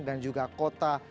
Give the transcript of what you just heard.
dan juga kota